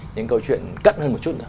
những câu chuyện cắt hơn một chút